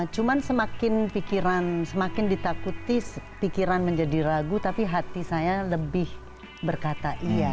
cuman semakin pikiran semakin ditakuti pikiran menjadi ragu tapi hati saya lebih berkata iya